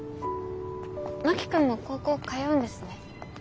真木君も高校通うんですね。